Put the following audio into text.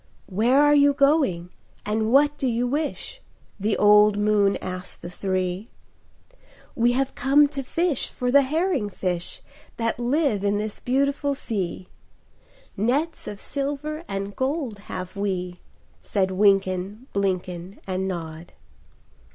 "Where are you going, and what do you wish?" The old moon asked the three. "We have come to fish for the herring fish That live in this beautiful sea; Nets of silver and gold have we," Said Wynken, Blynken, And Nod.